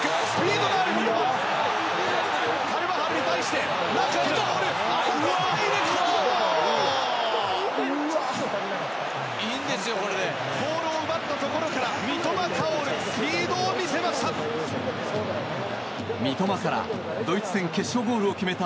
ボールを奪ったところから三笘薫スピードを見せました。